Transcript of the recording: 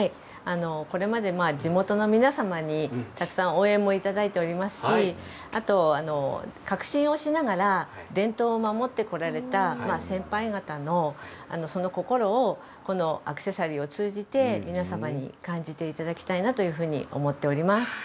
これまで地元の皆様にたくさん声もいただいておりますしあと、革新をしながら伝統を守ってこられた先輩方のその心をアクセサリーを通じて皆様に感じていただきたいなというふうに思っています。